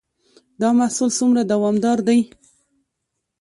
دا محصول څومره دوامدار دی؟